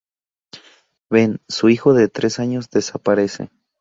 Ben, su hijo de tres años, desaparece.